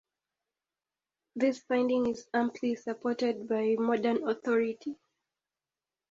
This finding is amply supported by modern authority.